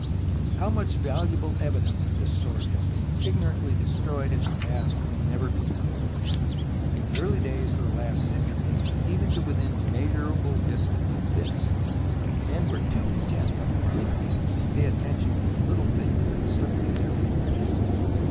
How much valuable evidence of this sort has been ignorantly destroyed in the past will never be known. In the early days of last century, and even to within measurable distance of this, men were too intent on the big things to pay attention to the little things that sHpped through their fingers.